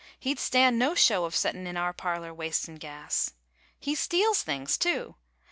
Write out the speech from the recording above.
he d stand no show Of settin in our parlor wastin gas. He steals things, too!